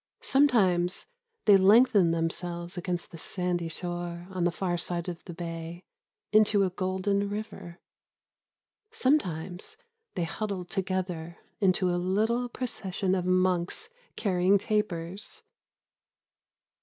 Sometimes they lengthen themselves against the sandy shore on the far side of the bay into a golden river. Sometimes they huddle together into a little procession of monks carrying tapers....